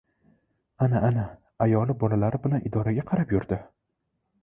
Ana-ana, ayoli bolalari bilan idoraga qarab yurdi!